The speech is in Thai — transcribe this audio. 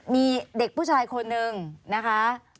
มีเด็กผู้ชายคนนึงนะคะ